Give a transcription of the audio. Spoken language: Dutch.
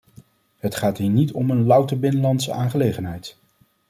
Het gaat hier niet om een louter binnenlandse aangelegenheid.